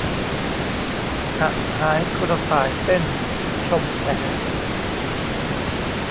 หะหายกระต่ายเต้น ชมแข